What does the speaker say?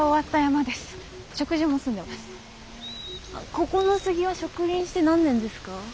ここのスギは植林して何年ですか？